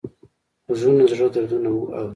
غوږونه د زړه دردونه اوري